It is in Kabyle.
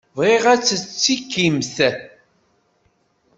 Bɣiɣ ad tettekkimt.